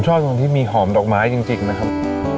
ชอบตรงที่มีหอมดอกไม้จริงนะครับ